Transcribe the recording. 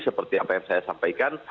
seperti apa yang saya sampaikan